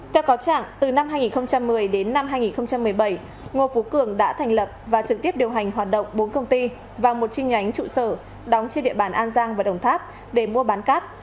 theo cáo trạng từ năm hai nghìn một mươi đến năm hai nghìn một mươi bảy ngô phú cường đã thành lập và trực tiếp điều hành hoạt động bốn công ty và một chi nhánh trụ sở đóng trên địa bàn an giang và đồng tháp để mua bán cát